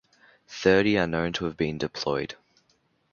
Thirty are known to have been deployed.